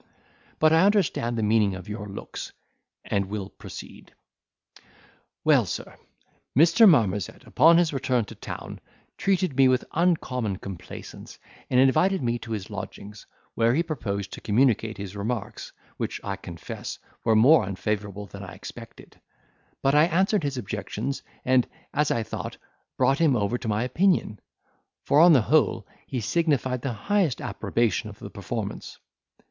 But I understand the meaning of your looks, and will proceed. "Well, sir, Mr. Marmozet, upon his return to town, treated me with uncommon complaisance, and invited me to his lodgings, where he proposed to communicate his remarks, which, I confess, were more unfavourable than I expected; but I answered his objections, and, as I thought, brought him over to my opinion; for, on the whole, he signified the highest approbation of the performance.